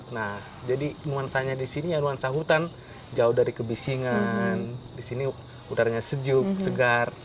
nah jadi nuansanya di sini ya nuansa hutan jauh dari kebisingan di sini udaranya sejuk segar